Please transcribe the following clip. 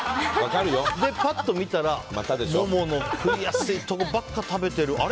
パッと見たら、モモの食いやすいところばっか食べてるあれ？